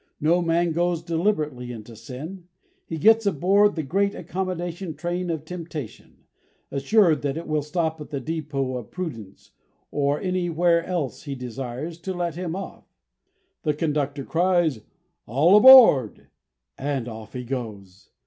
No man goes deliberately into sin; he gets aboard the great accommodation train of Temptation, assured that it will stop at the depot of Prudence, or anywhere else he desires, to let him off. The conductor cries: 'All aboard' and off he goes.